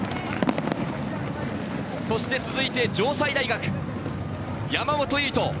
続いて城西大学、山本唯翔。